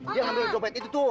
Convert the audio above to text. dia ngambil dompet itu tuh